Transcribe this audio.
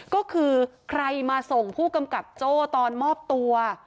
ก็คือใครมาส่งผู้กำกับโจ้ตอนมอบตัว